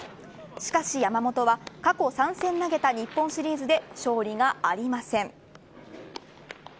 しかし山本は、過去３戦投げた日本シリーズで勝利がありません。